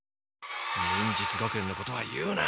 忍術学園のことは言うな。